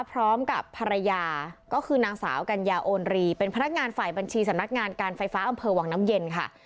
พร้อมกับภรรยาก็คือนางสาวกัญญาโอนรีเป็นพนักงานฝ่ายบัญชีสำนักงานการไฟฟ้าอำเภอวังน้ำเย็นค่ะ